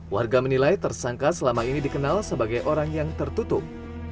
warga menilai tersangka selama ini dikenal sebagai orang yang tertutup